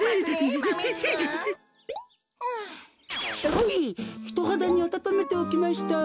ほいひとはだにあたためておきました。